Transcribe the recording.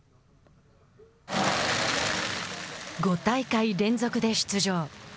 ５大会連続で出場。